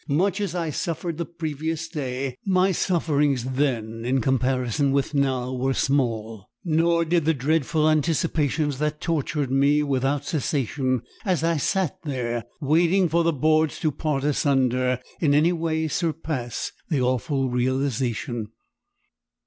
Much as I suffered the previous day, my sufferings then in comparison with now were small, nor did the dreadful anticipations that tortured me without cessation as I sat there, waiting for the boards to part asunder, in any way surpass the awful realisation.